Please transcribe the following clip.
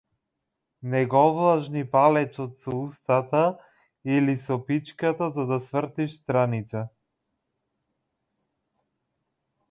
Не го влажни палецот со устата или со пичката за да свртиш страница.